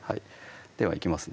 ではいきます